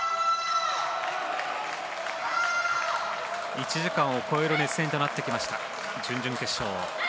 １時間を超える熱戦となった準々決勝。